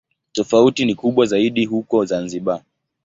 Tofauti ni kubwa zaidi huko Zanzibar.